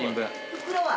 ・袋は？